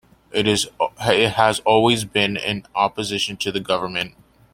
It has always been in opposition to the government.